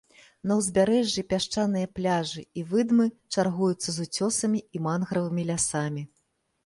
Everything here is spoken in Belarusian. На ўзбярэжжы пясчаныя пляжы і выдмы чаргуюцца з уцёсамі і мангравымі лясамі.